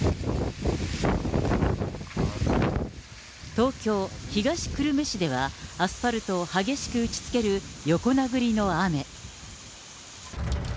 東京・東久留米市では、アスファルトを激しく打ちつける横殴りの雨。